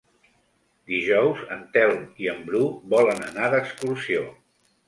Dijous en Telm i en Bru volen anar d'excursió.